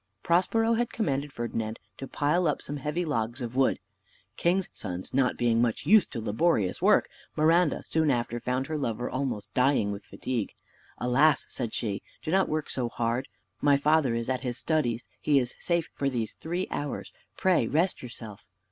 Prospero had commanded Ferdinand to pile up some heavy logs of wood. King's sons not being much used to laborious work, Miranda soon after found her lover almost dying with fatigue. "Alas!" said she, "do not work so hard; my father is at his studies, he is safe for these three hours; pray rest yourself."